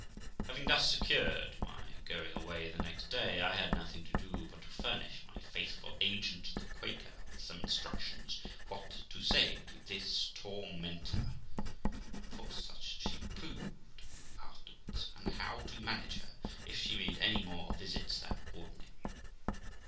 Having thus secured my going away the next day, I had nothing to do but to furnish my faithful agent the Quaker with some instructions what to say to this tormentor (for such she proved afterwards), and how to manage her, if she made any more visits than ordinary.